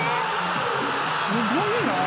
すごいなぁ。